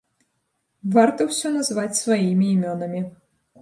Варта ўсё назваць сваімі імёнамі.